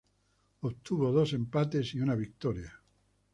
Obtuvo dos empates y una victoria.